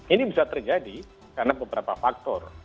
ini bisa terjadi karena beberapa faktor